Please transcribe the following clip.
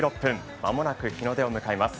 間もなく日の出を迎えます。